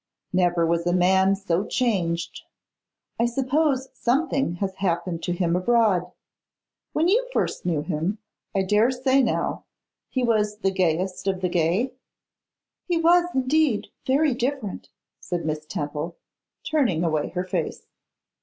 Never was a man so changed. I suppose something has happened to him abroad. When you first knew him, I daresay now, he was the gayest of the gay?' 'He was indeed very different,' said Miss Temple, turning away her face.